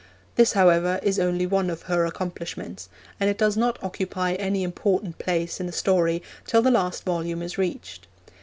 This, however, is only one of her accomplishments, and it does not occupy any important place in the story till the last volume is reached.